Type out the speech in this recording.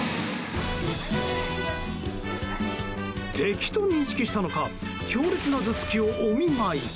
敵と認識したのか強烈な頭突きをお見舞い！